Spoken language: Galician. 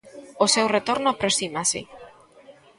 O seu retorno aproxímase.